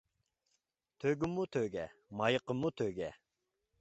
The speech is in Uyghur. تۆگىمۇ تۆگە، مايىقىمۇ تۆگە.